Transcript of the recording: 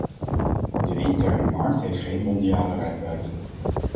De interne markt heeft geen mondiale reikwijdte.